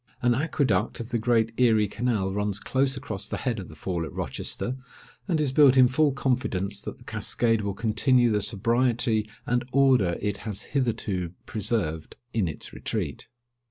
An aqueduct of the great Erie canal runs close across the head of the Fall at Rochester, and is built in full confidence that the cascade will continue the sobriety and order it has hitherto preserved in its retreat.